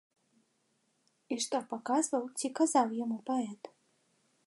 І што паказваў ці казаў яму паэт?